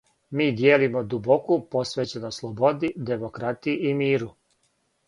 Ми дијелимо дубоку посвећеност слободи, демократији и миру.